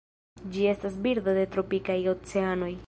Ĝi estas birdo de tropikaj oceanoj.